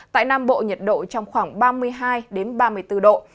tại nam bộ nhiệt độ trong khoảng ba mươi hai ba mươi bốn độ